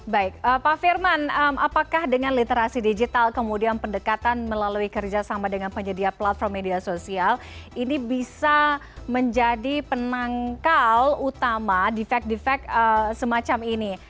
baik pak firman apakah dengan literasi digital kemudian pendekatan melalui kerjasama dengan penyedia platform media sosial ini bisa menjadi penangkal utama defect defect semacam ini